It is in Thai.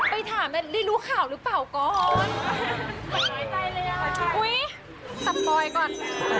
ไปถามได้รู้ข่าวหรือเปล่าก่อน